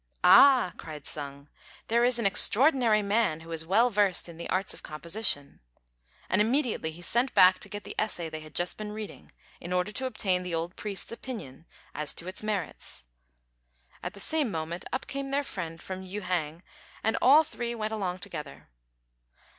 "Ah!" cried Sung, "there is an extraordinary man who is well versed in the arts of composition;" and immediately he sent back to get the essay they had just been reading, in order to obtain the old priest's opinion as to its merits. At the same moment up came their friend from Yü hang, and all three went along together.